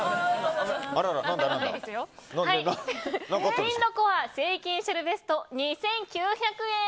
ウィンドコア制菌シェルベスト２９００円。